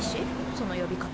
その呼び方。